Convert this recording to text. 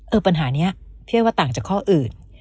เออปัญหานี้เพียงว่าต่างจากข้ออื่น